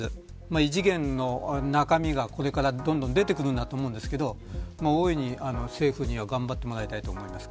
異次元の中身が、これからどんどん出てくるんだと思うんですけど大いに政府には頑張ってもらいたいと思います。